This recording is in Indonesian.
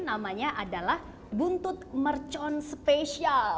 namanya adalah buntut mercon spesial